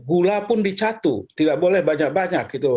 gula pun dicatuh tidak boleh banyak banyak